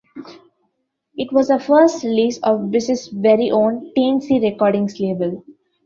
It was the first release on Bis's very own Teen-C Recordings label.